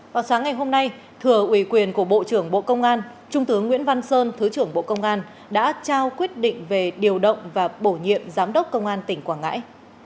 vào sáng ngày hôm nay thừa ủy quyền của bộ trưởng bộ công an trung tướng nguyễn văn sơn thứ trưởng bộ công an đã trao quyết định về điều động và bổ nhiệm giám đốc công an tỉnh quảng ngãi